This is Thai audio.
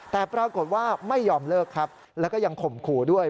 แต่ปรากฏว่าไม่ยอมเลิกครับแล้วก็ยังข่มขู่ด้วย